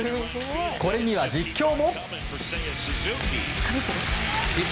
これには実況も。